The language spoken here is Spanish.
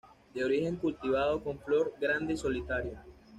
De origen cultivado con flor grande y solitaria.